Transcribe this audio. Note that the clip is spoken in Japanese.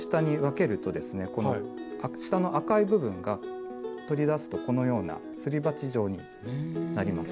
この下の赤い部分が取り出すとこのようなすり鉢状になります。